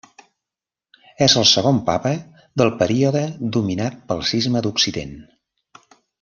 És el segon papa del període dominat pel Cisma d'Occident.